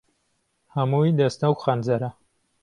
ههمووى دهستهو خهنجەره